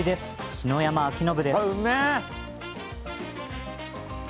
篠山輝信です。